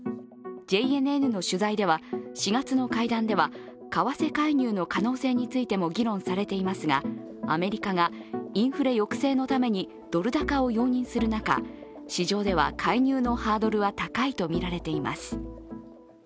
ＪＮＮの取材では、４月の会談では為替介入の可能性についても議論されていますがアメリカがインフレ抑制のためにドル高を容認する中市場では介入のハードルは高いとみられています。